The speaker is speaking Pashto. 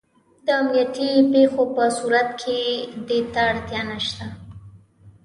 د امنیتي پېښو په صورت کې دې ته اړتیا نشته.